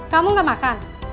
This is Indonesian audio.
kamu gak makan